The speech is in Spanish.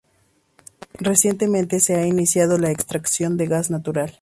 Recientemente se ha iniciado la extracción de gas natural.